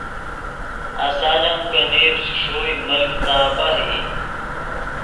آسال ام کہ نیڤ چے ݰوئے ملک تابہہ ای